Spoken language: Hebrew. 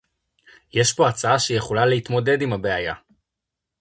יש פה הצעה שיכולה להתמודד עם הבעיה